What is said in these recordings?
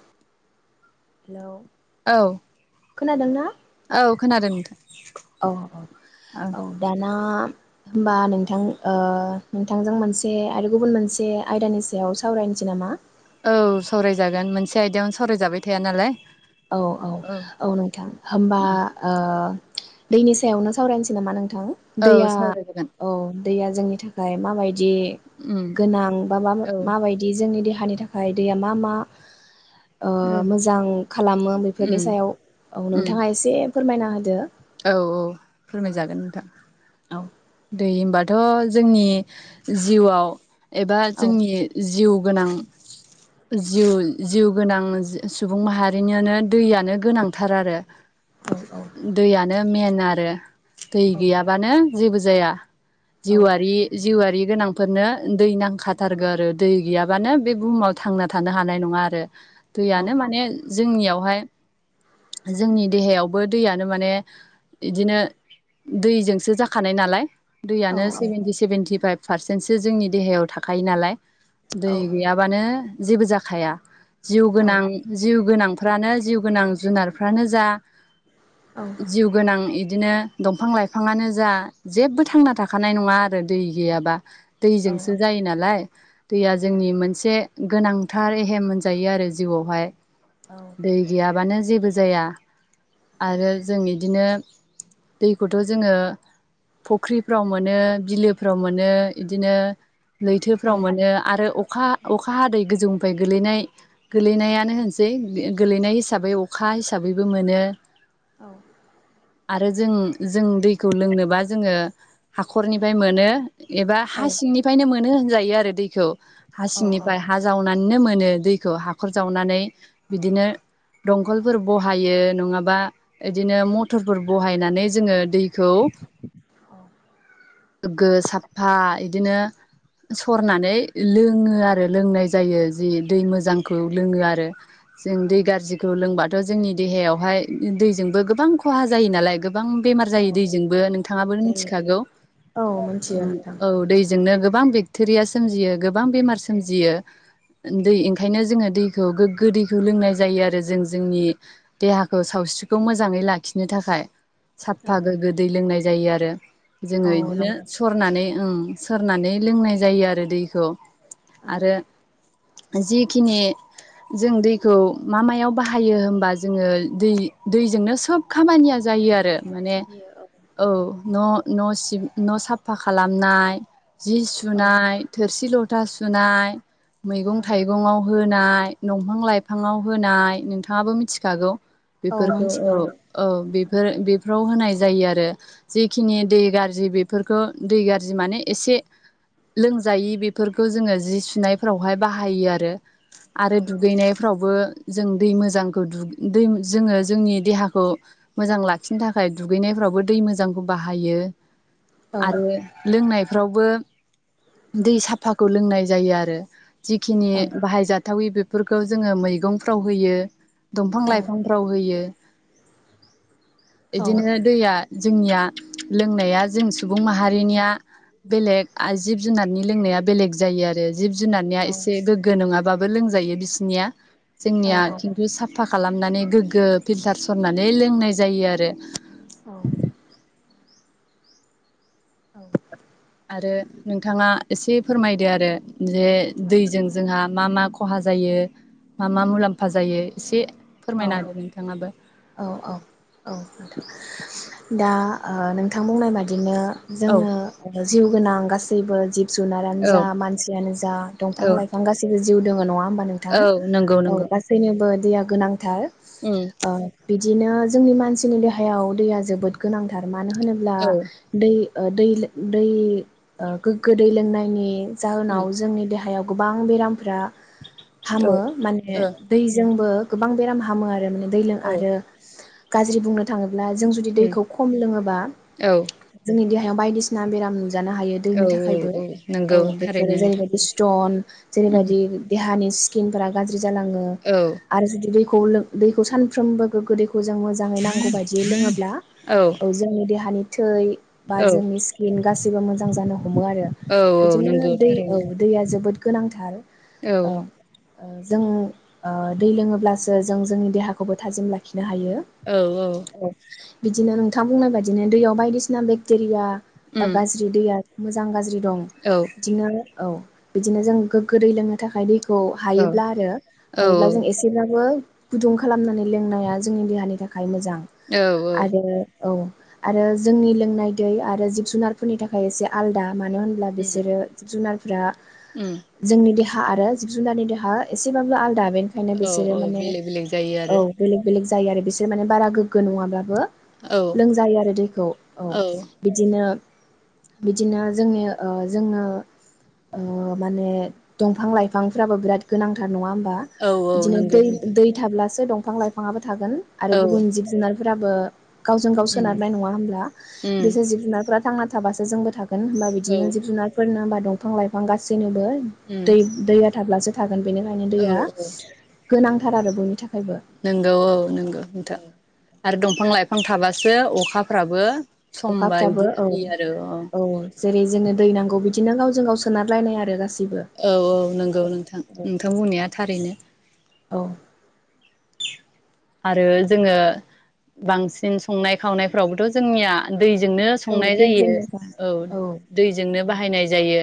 [inaudible] Hello. औ खोनादों ना? औ खोनादों नोंथां औ औ। होमबा नोंथां ओ नोंथांजों मोनसे आरो गुबुन मोनसे आयदानि सायाव सावरायनोसै नामा? औ सावरायजागोन मोनसे आयदायावनो सावरायजाबाय थाया नालाय औ औ औ नोंथां होमबा ओ दैनि सायावनो सावरायनोसै नामा नों थां औ दैया सावरायजागोन औ दैया जोंनि थाखाय माबायदि दि उम गोनां बा औ मायदि जोंनि दे देहानि थाखाय दैया मा मा? ओ मोजां। खालामो बेफोरनि उम सायाव औ उम नोंथाङा एसे फोरमायना होदो। औ औ औ फोरमायजागोन नोंथां। औ दै होनबा‌ थ' जोंनि जिउआव एबा जोंनि जिउ गोनां जिउ जिउ गोनां सुबुं माहारिनायानो दैयानो गोनांथार आरो। औ औ [unintelligible] मेन आरो दै गैयाबानो जेबो जाया। औ जिउआरि जिउआरि गोनांफोरनो दै नांखाथारगौ आरो दै गैयाबानो बे बुहुमाव थांना थानो हानाय नङा आरो। औ दैयानो माने जोंनियावहाय जोंनि देहायावबो दैया नो माने इदिनो दैजोंसो जाखानाय नालाय औ दैयानो औ सेभेेनटि सेभेेनटि फाइभ पारसेन्टसो जोंनि देहायाव थाखायो नालाय औ दै गैयाबानो जेबो जाखाया जिउ औ गोनां जिउ गोनां फ्रानो जिउ गोनां जुनारफ्रानो जा औ जिउ गोनां इद दिनो दंफां लाइफाङानो जा जेबो थांना थाखानाय नङा [unintelligible] दै गैयाबा। दैजोंसो जायो नालाय दैया जोंनि मोनसे गोनांथार एहेम मोनजायो आरो जिउआवहाय। औ दै गैयाबानो जेबो जेबो जाया। आरो जों इदिनो दैखौथ' जोङो फुख्रिफ्राव मोनो बिलोफ्राव मोनो इदिनो लैथोफ्राव मोनो आरो अ खा-अखा हादै गोजौनिफ्राय गोलैनाय गोलैनायानो होनसै गोलैनाय हिसाबै अखा हि साबैबो मोनो। आरो जों जों दैखौ लोंनोबा जोङो हाखरनिफ्राय मोनो। एबा औ हा सिंनिफ्रायनो मोनो होनजायो आरो दैखौ। हा सिंनिफ्राय हा जावनानैनो मोनो दै खौ हा खर जावनानै बिदिनो दंखलफोर बहायो नङाबा एदिनो मथरफोर बहायनानै जोङो दैखौ गोग्गो साफा बिदिनो सरनानै लोङो आरो लोंनाय जायो जि दै मोजांखौ लोङो आरो। जों दै गाज्रिखौ लोंबा थ जोंनि देहायावहाय दै जोंबो गोबां खहा जायो नालाय गो बां बेमार औ जायो दैजोंबो नोंथाङाबो जायो मिथिखागौ औ मिथियो नोंथां औ दैजोंनो गोबां बे थोरिया सोमजियो गो बां बेमार सोमजियो दै ओंखायनो जोङो दैखौ गोग्गो दैखौ लोंनाय जायो आरो जों जोंनि देहाखौ सावस्रि खौ मोजाङै लाखिनो थाखाय। औ साफा गोग्गो दै लोंनाय जायो आ रो। जोङो औ इदिनो नंगौ सरनानै ओं सोरनानै लोंनाय जायो आरो दैखौ औ आरो जिखिनि जों दैखौ मा मायाव बाहायो होनबा जोङो दै दैजोंनो सोब खामानिया जायो आरो। माने औ न' न' सिब न' साफा खालामनाय जि औ सुनाय थोरसि ल था सुनाय, मैगं थाइगं आव होनाय, दंफां लाइफां आव होनाय नों थाङाबो मिथिखागौ। औ बेफोरखौ औ मिथिगौ औ बेफोर बे फ्राव होनाय जायो आरो जिखिनि दै गाज्रि बेफोरखौ दै गाज्रि माने एसे लोंजायि बेफोरखौ जोङो जि सुनायफोरावहाय बाहायो आरो। औ आरो दुगैनायफ्रावबो जों दै मोजांखौ दुगै दै जोङो जोंनि देहाखौ मोजां लाखिनो थाखाय दुगैनायफ्रावबो दै मोजांखौ बाहायो। औ आरो लोंनाय फ्रावबो दै साफाखौ लोंनाय जायो आरो। जिखिनि औ बाहायजाथावि बेफोरखौ जोङो मैगंफ्राव होयो। दंफां औ लाइ फिफांफ्राव होयो। बिदिनो दैया जोंनिया लोंनाया जों सुबुं माहारिनिया बेलेग जिब जुनारनि लोंनाया बेलेग जायो आरो। जिब जुनारनिया औ एसे गोग्गो नङाबा बो लोंजायो बिसनिया। जोंनिया औ खिन्थु साफा खालाम गोग्गो फिल्टार सरनानै लोंनाय जायो आरो। औ। [inaudible] आरो नोंथाङा एसे फोरमायदो आरो। बजे दैजों जोंहा मा मा खहा जायो मा मा मुलाम्फा जायो एसे औ फोरमायना होदो नोंथाङाबो औ औ औ दा ओ नोंथां बुंनाय बादिनो औ जोङो जिउ गोनां गासैबो जिब जुनारानो औ जा मानसियानो जा दंफां औ लाइफां गासैबो जिउ दङ नङा होमबा नोंथां औ नंगौ औ नंगौ गासैनोबो दैया गोनां। थार उम ओ बिदिनो जोंनि मानसिनि देहायाव दैया जोबोद गोनांथार मान मानो होनोब्ला औ दै ओ दै लो दै गोग्गो दै लोंनायनि उम जाहोनाव जोंनि देहायाव गोबां बेरामफ्रा औ हामो माने ओ दैजोंबो। बां बेराम हामो आरो माने। दैलों औ आरो गाज्रि बुंनो थाङो ब्ला जों जुदि उम दैखौ खम लोङोबा औ जोंनि दे हाया बायदिसिना बेराम नु जानो हायो औ दैनि थाखायबो। औ औ नंगौ थारैनो बेफोरो नोंथां जेरैबायदि स्टन उम जेरैबायदि देहानि स्किनफोरा गा ज्रि जालाङो। औ आरो जुदि दैखौ लों दैखौ सानफ्रोमबो गोग्गो दैखौ जों मोजाङै नांगौ बायदियै लोङा ब्ला औ ओ जोंनि देहानि थै बा औ जोंनि स्किन गासि बो मोजां जानो हमो आरो औ औ बिदिनो नंगौ दै औ थारैनो दैया जोबोद गोनांथार। औ। जों ओ दै लोङोब्ला जे जों जोंनि देहाखौबो थाजिम लाखि नो हायो। औ औ बिदिनो नोंथां बुंनाय बायदिनो दैयाव बायदिसिना बेक्टेरिया बा उम गाज्रि दैया मोजां गाज्रि दं। औ बिदिनो औ बिदिनो जों गोग्गो दै लोंनो थाखाय दै खौ हायोब्ला आरो औ हायोब्ला जों एसेब्ला बो गुदुं खालामनानै लोंनाया जोंनि देहानि थाखाय मोजां। औ औ आरो औ। आरो जोंनि लोंनाय दै आरो जिब जुनारफोरनि थाखाय एसे आलदा। मानो होनब्ला उम बिसोरो जुनार फ्रा उम जोंनि दे हा आरो जिब जुनारनि देहा एसेबाबो आलदा बेनि खायनो बि औ सोरो औ माने बेलेग बेलेग जायो आरो औ बेलेग बेलेग जायो आरो बिसोर माने बारा गोग्गो नङाब्लाबो औ लोंजायो आरो दैखौ औ बिदिनो बिदिनो जोंनि ओ जोङो ओ माने दंफां लाइफांफ्राबो बिराद गोनांथार नङा होमब बा औ औ बिदिनो नंगौ दै नोंथां दै थाब्ला सो दंफां लाइफाङाबो थागोन आरो औ गुबुन जिब जुनार फोराबो गावजों गाव उम सोनारनाय नङा होमब्ला उम बिसोर जिब जुनारफ्रा थांना थाबासो जोंबो थाग गोन होनबा औ बिदिनो जिब जुनारफोरनो होनबा दंफां लाइफां गासैनोबो गोन उम दै दैया थाब्लासो गोन बेनिखायनो औ दैया गोनांथार आरो बयनि थाख नंगौ औ नंगौ नोंथां आरो दंफां लाइफ फां थाबासो अखाफ्राबो अखाफ्राबो समबादि औ हायो आरो अ औ जेरै जोंनो दै नांगौ बिदिनो गावजों गाव सोनारलायनाय आरो गासै औ औ नोंगौ नोंथां नोंथां बुंनाया थारैनो। औ आरो जोङो बांसिन संनाय खावनायफ्रावबोथ' जोंनिया दैजोंनो औ संनाय जायो दैजोंनोखा औ दैजोंनो औ बाहायनाय जायो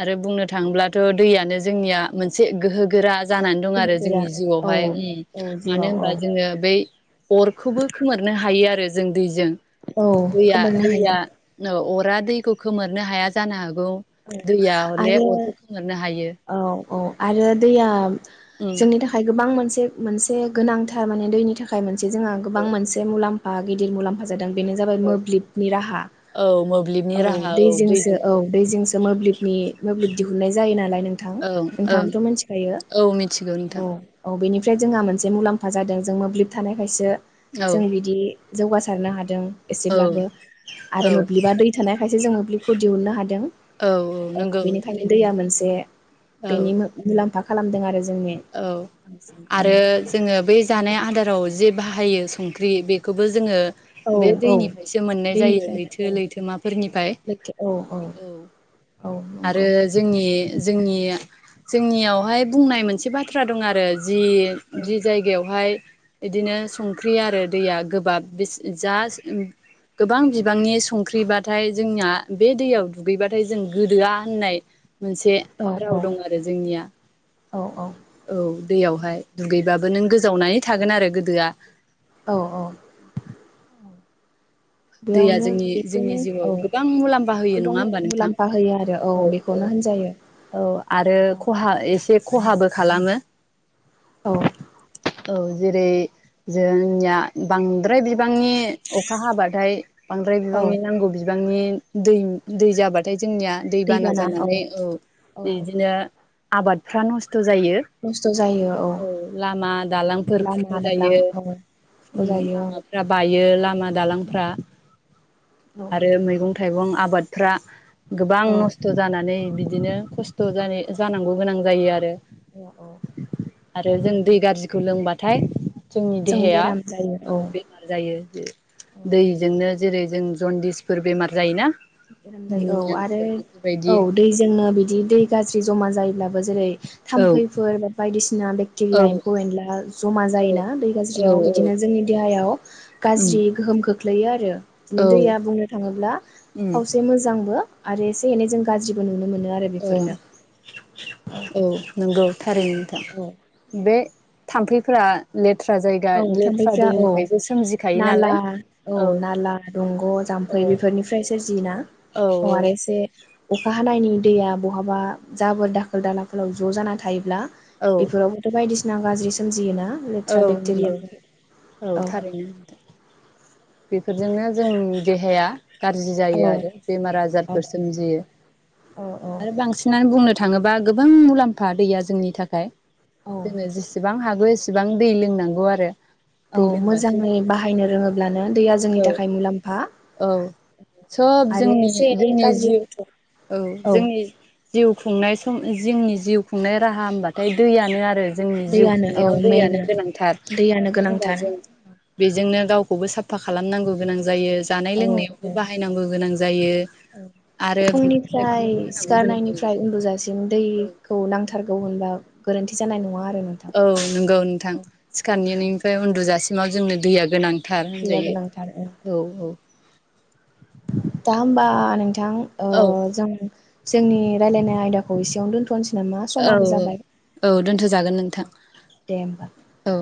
आरो बुंनो था थांब्लाथ' दैयानो जोंनिया मोनसे गोहो गोरा जानानै दं गोहो आरो गोरा जोंनि औ जिउआवहाय औ उम। मानो जिउआव औ होनबा जोङो बे अरखौबो खोमोरनो हायो आरो जों दैजों‌। औ दैया खोमोरनो हायो दैया औ अर अरा दैखौ खोमोरनो हाया जानो हागौ औ दैया हले आरो अरखौ खोमोरनो हायो औ औ आरो दैया जोंनि थाखाय गोबां गोबां मोनसे मोनसे गोनांथार माने दैनि थाखाय मोन जोङो गोबां मोनसे मुलाम गिदिर मुलाम्फा ज बेनो जाबाय औ मोब्लिबनि राहा औ मोब्लिबनि औ राहा दै औ दैजोंसो दै मोब्लिबनि मोब्ब दिहुननाय जायो नालाय नों नोंथां ओं ओं नोंथांथ' मिथिखायो मिथिगौ नोंथां औ औ बेनि ओमफ्राय जोंहा मोनसे मुलाम्फा जादों जों मोब्लिब थानायखायसो औ जों बिदि जौगासारनो हादों औ एसेब्लाबो आरो औ मोब्लिबा दै थानाय खायसे जों मोब्लिबखौ दिहुननो हादों औ नंगौ बेनिखायनो थारैनो दैया मोनसे औ बेनि मुलाम्फा खालामदों आरो जोंनि औ बांसिन आरो जोङो बै जानाय आदाराव जे बाहायो संख्रि बेखौबो जोङो औ बे औ दैनिफ्रायसो मोननाय जायो दैनिफ्रायनो लैथो औ लैथ माफोरनिफ्राय लैथो औ औ औ आरो नंगौ जोंनि जोंनि जोंनियावहाय बुंनाय मोनसे बाथ्रा दं आरो जि औ जि जायगायावहाय बिदिनो संख्रि आरो दैया गोबाब जा गोबां बिबांनि संख्रिबाथाय जोंना बे दैयाव दुगैबाथाय जों गोदोआ होननाय मोनसे औ राव दं आरो जोंनिया औ औ औ दैयावहाय दुगैबाबो नों गोजावनानै थागोन आरो गोदोआ औ औ। दैया बेयावनो जोंनि बेखौनो जोंनि औ जिउआव गोबां मुलामबा होयो गोबां नंङा होमबा नोंथां मुलाम्फा होयो आरो औ औ बेखौनो होनजायो औ आरो औ खहा एसेब खहाबो खालामो। औ। औ जेरै जोंनिया बांद्राय बिब बांनि अखा हाबाद दाय बांद्राय औ बिबांनि नांगौ बिबांनिब दैम दै जाबाथायथ जोंनिया दैबाना जानानै औ औ इदिनो आबादफ्रा नसथ खस्थ' जायो। औ लामा दालांफोर लामा खुरखा दालां जायो औ खस्थ' उम्म जायो औ लामाफ्रा बाय यो लामा दालांफ्रा आरो मैंगं था थाइगं आबादफ्रा गोबां औ नस्थ' जानानै बिदिनो खस्थ' जानाय जानांगौ गोनां जायो आरो। औ औ आरो जों दै नंगौ गाज्रिखौ लोंबा थाय जोंनि जों देहाया बेराम जायो औ बेमार जायो ज दैजोंनो जेरै जों जन्दिसफोर बेमार जायोना बेराम जायो औ आरो निम'नियाफोर औ बेफोरबायदि दैजोंनो बिदि दै गाज्रि जमा जायोब्लाबो जेरै‌ औ थाम्फैफोर बा बायदिसि सिना औ बेक्टेरिया एम्फौ एनला जमा औ जायोना दै औ गाज्रियाव बिदिनो जोंनि देहायाव उम गाज्रि गोहोम खोख ख्लैयो आरो। औ दिनो दैया बुंनो थाङोब्ला उम खावसे मोजांबो आरो एसे एनै जों गाज्रिबो नुनो मोन औ औ नोंगौ। थारैनो औ नोंथां बे थाम्फैफोरा लेट औ थाम्फैफ्रा औ सोमजिखायो नाला नालाय औ नाला दंग' औ जाम्फै बेफोरनिफ्राय सोरजियो ना औ आरो एसे अखा हानायनि दैया बहाबा जाबोर दाखोर दालाफोराव ज' जाना थायोब्ला औ बेफोरावबोथ' बायदिसि ना गाज्रि सोमजियोना औ लेथ्रा बे नंगौ औ थारैनो बेफोरजोंनो जों देहाया गाज्रि औ जायो आरो बेमार औ आजारफोर सोमजियो औ औ आरो बांसिनानो बुंनो थां थाङोबा गोबां मुलाम्फा दैया जोंनि थाखाय औ जोङो जेसेबां हागौ एसेब बिसेबां दै लोंनांगौ आरो औ दै लोंबासो मोजाङै बाहायनो रोङोब्लानो दैया औ जोंनि थाखाय मुलाम्फा औ सोब आरो जोंनि एसे एनै जोंनि जिउ गाज्रिखौथ' औ जोंनि जिउ खुंनाय सम जोंनि जिउ खुंनाय राहा होनबाथाय दैयानो आरो जोंनि जिउ दैयानो औ खुंनायाव दैयानो मेना गोनांथार दैयानो मानो होनबा गोनांथार जों बेजोंनो दाव खौबो साब फा खालामनांगौ गोनां जायो औ बाहायनांगौ गोनां जायो औ आरो बिफां फुंनिफ्राय लाइफांनोबो होनांगौ गोनां सिखारनायनिफ्राय जायो उन्दुजासिम दैखौ नांथारगौ होनबा गोरोन्थि जानाय नङा आ औ नंगौ नोंथां सिखारनिनिफ्राय उन्दु जासिम माव जोंनो दैया गोनां थार दैया होनजायो गोनांथार ओ औ औ होनबा नोंथां बिथां जों जोंनि रायलायनाय आयदाखौ एसेयावनो दोन औ औ औ दोनथ'जागोन नोंथां दे होमबा औ